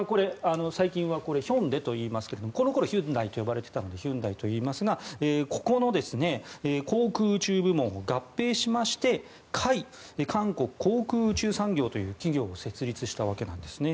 最近はヒョンデといいますがこのころヒュンダイと呼ばれていたのでヒュンダイといいますがここの航空宇宙部門を合併しましてＫＡＩ・韓国航空宇宙産業という企業を設立したわけなんですね。